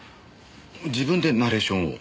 自分でナレーションを？